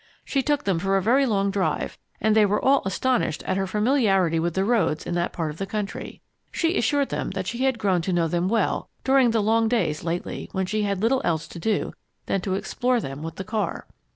She took them for a very long drive, and they were all astonished at her familiarity with the roads in that part of the country. She assured them that she had grown to know them well, during the long days lately when she had little else to do than to explore them with the car.